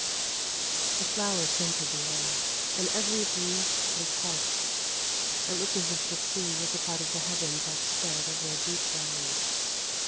The flowers scented the air, and every breeze was hushed, it looked as if the sea was a part of the heavens out spread over a deep valley.